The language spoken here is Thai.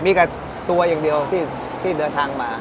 มีแต่ตัวอย่างเดียวที่เดินทางมา